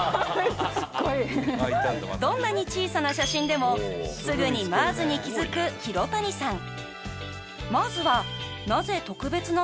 どんなに小さな写真でもすぐにマーズに気づく廣谷さん